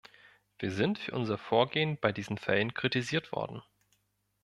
Wir sind für unser Vorgehen bei diesen Fällen kritisiert worden.